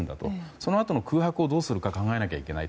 そのあとの空白をどうするか考えなきゃいけない。